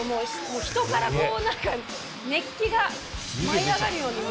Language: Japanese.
人からこう何か熱気が舞い上がるようにもう。